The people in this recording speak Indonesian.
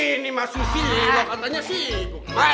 hai ini mas susi lo katanya sibuk mas